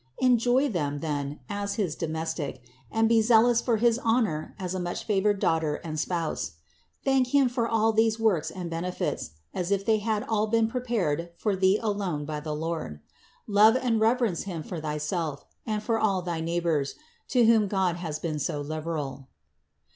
Enjoy them all, then, as his domestic, and be zealous for his honor as a much favored daughter and spouse; thank Him for all these works and benefits, as if they had all been pre pared for thee alone by the Lord. Love and reverence Him for thyself and for all thy neighbors, to whom God has been so liberal.